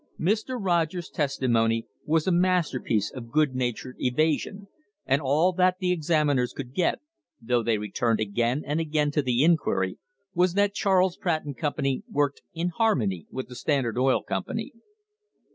Mr. Rogers's testimony was a masterpiece of good natured eva sion,* and all that the examiners could get, though they re turned again and again to the inquiry, was that Charles Pratt and Company worked "in harmony" with the Standard Oil Company.